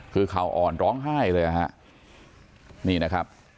คือเขาอ่อนร้องไห้เลยนี่